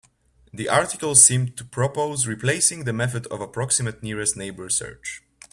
The article seems to propose replacing the method of approximate nearest neighbor search.